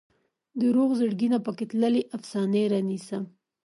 د روغ زړګي نه پکې تللې افسانې رانیسم